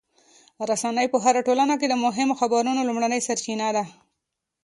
رسنۍ په هره ټولنه کې د مهمو خبرونو لومړنۍ سرچینه ده.